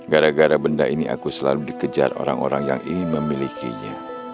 gara gara benda ini aku selalu dikejar orang orang yang ingin memilikinya